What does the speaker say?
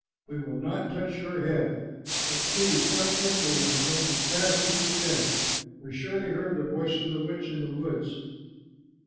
"We will not touch your head. But please come quickly and go as fast as you can. We surely heard the voice of the witch in the woods."